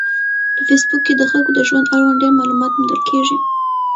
په فېسبوک کې د خلکو د ژوند اړوند ډېر معلومات موندل کېږي.